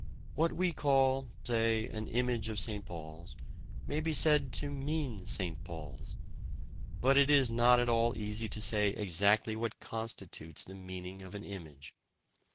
What we call (say) an image of St. Paul's may be said to "mean" St. Paul's. But it is not at all easy to say exactly what constitutes the meaning of an image.